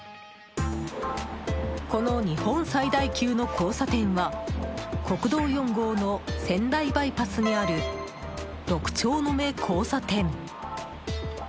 この日本最大級の交差点は国道４号の仙台バイパスにある六丁目交差点。